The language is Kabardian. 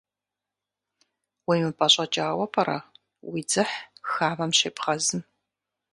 УемыпӀэщӀэкӀауэ пӀэрэ, уи дзыхь хамэм щебгъэзым?